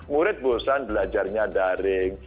murid bosan belajarnya daring